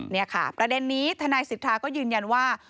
นี่ค่ะประเด็นนี้ทนายสิทธาก็ยืนยันว่า